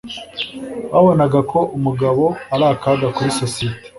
Babonaga ko umugabo ari akaga kuri sosiyete.